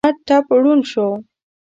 احمد ټپ ړوند شو.